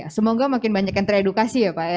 semoga makin banyak yang teredukasi ya pak